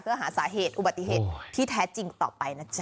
เพื่อหาสาเหตุอุบัติเหตุที่แท้จริงต่อไปนะจ๊